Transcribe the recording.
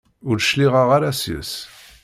Ur cliɛeɣ ara seg-s.